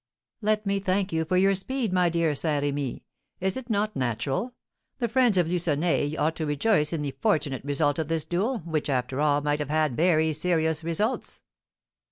"Let me thank you for your speed, my dear Saint Remy. Is it not natural? The friends of Lucenay ought to rejoice in the fortunate result of this duel, which, after all, might have had very serious results."